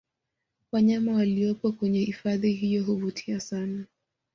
Wanyama waliopo kwenye hifadhi hiyo huvutia sana